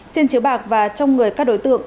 trên chiếu bạc và trong người các đối tượng